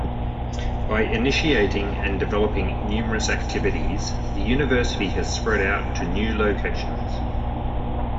By initiating and developing numerous activities the University has spread out to new locations.